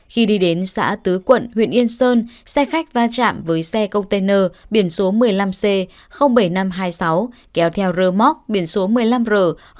khi đi đến xã tứ quận huyện yên sơn xe khách va chạm với xe container biển số một mươi năm c bảy nghìn năm trăm hai mươi sáu kéo theo rơ móc biển số một mươi năm r bảy nghìn năm trăm hai mươi sáu